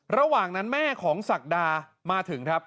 ระหว่างนั้นแม่ของศักดามาถึงครับ